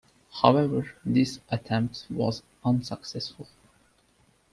However, this attempt was unsuccessful.